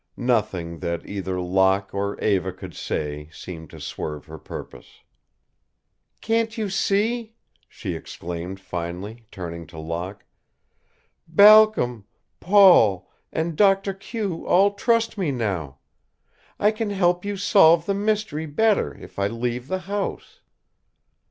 Nothing that either Locke or Eva could say seemed to swerve her purpose. "Can't you see?" she exclaimed, finally, turning to Locke. "Balcom, Paul, and Doctor Q all trust me now. I can help you solve the mystery better if I leave the house."